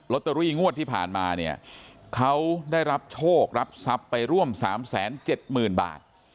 ล็อตเตอรี่งวดที่ผ่านมาเนี่ยเขาได้รับโชครับทรัพย์ไปร่วมสามแสนเจ็ดหมื่นบาท